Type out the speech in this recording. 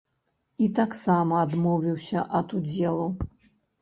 І таксама адмовіўся ад удзелу.